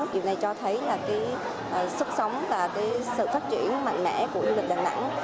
điều này cho thấy là cái sức sống và cái sự phát triển mạnh mẽ của du lịch đà nẵng